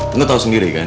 tante tau sendiri kan